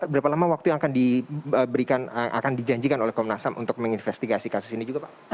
berapa lama waktu yang akan diberikan akan dijanjikan oleh komnas ham untuk menginvestigasi kasus ini juga pak